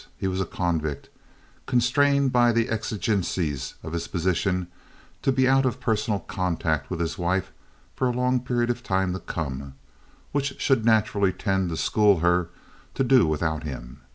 He was a convict, constrained by the exigencies of his position to be out of personal contact with his wife for a long period of time to come, which should naturally tend to school her to do without him.